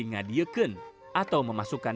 mengadieken atau memasukkan